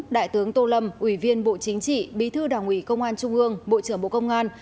đại tướng tô lâm ủy viên bộ chính trị bí thư đảng ủy công an trung ương bộ trưởng bộ công an